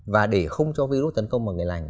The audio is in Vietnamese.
và để không cho virus tấn công vào người lành